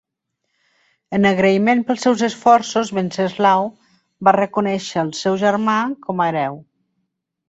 En agraïment pels seus esforços Venceslau va reconèixer el seu germà com a hereu.